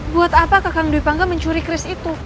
buat apa kakang dwi pangga mencuri keris itu